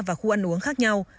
và khu ăn uống khác nhau